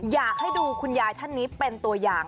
อยากให้ดูคุณยายท่านนี้เป็นตัวอย่าง